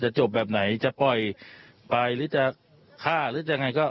จบแบบไหนจะปล่อยไปหรือจะฆ่าหรือยังไงก็